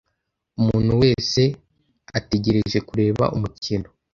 Umuntu wese ategereje kureba umukino.